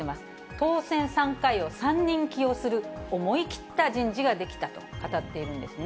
当選３回を３人起用する、思い切った人事ができたと語っているんですね。